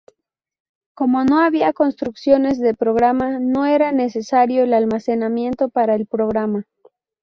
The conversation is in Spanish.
Como no había instrucciones de programa, no era necesario el almacenamiento para el programa.